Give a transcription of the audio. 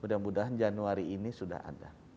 mudah mudahan januari ini sudah ada